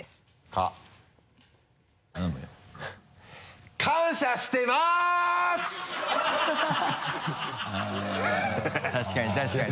あっ確かに確かに。